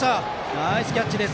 ナイスキャッチです